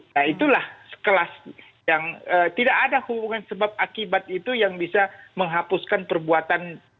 nah itulah sekelas yang tidak ada hubungan sebab akibat itu yang bisa menghapuskan perbuatan tiga ratus empat puluh nya